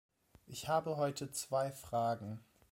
Ich habe heute zwei Fragen.